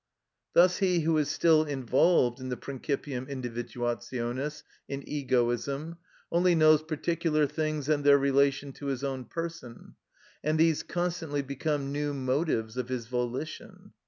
Thus he who is still involved in the principium individuationis, in egoism, only knows particular things and their relation to his own person, and these constantly become new motives of his volition.